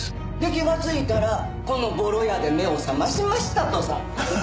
気がついたらこのボロ屋で目を覚ましましたとさ。